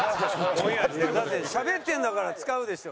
だってしゃべってんだから使うでしょ。